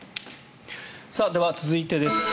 では、続いてです。